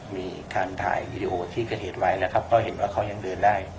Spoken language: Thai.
มีการถ่ายวีดีโอที่เกิดเหตุไว้นะครับเพราะเห็นว่าเขายังเดินได้